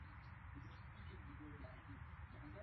Rwanda yaijibu Jamhuri ya Kidemokrasia ya Kongo